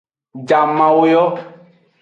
Jamawo yo.